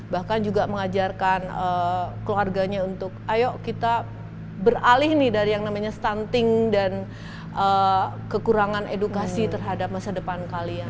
bahkan juga mengajarkan keluarganya untuk ayo kita beralih nih dari yang namanya stunting dan kekurangan edukasi terhadap masa depan kalian